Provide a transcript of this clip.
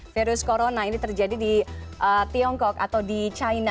virus corona ini terjadi di tiongkok atau di china